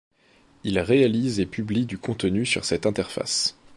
Ils réalisent et publient du contenu sur cette interface.